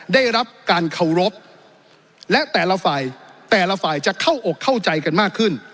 ได้รับการเคารพและแต่ละฝ่ายแต่ละฝ่ายจะเข้าอกเข้าใจกันมากขึ้น